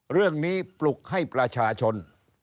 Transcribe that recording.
เรื่องนี้ปลุกให้ประชาชน